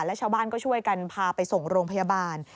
แล้วชาวบ้านก็ช่วยกันพาไปส่งโรงพยาบาล